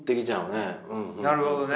なるほどね。